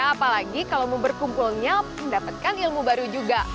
apalagi kalau mau berkumpulnya mendapatkan ilmu baru juga